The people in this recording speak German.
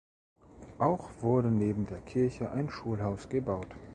Auch wurde neben der Kirche ein Schulhaus gebaut.